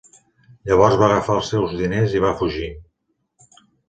Llavors va agafar els seus diners i va fugir.